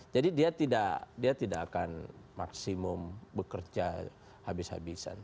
jadi dia tidak akan maksimum bekerja habis habisan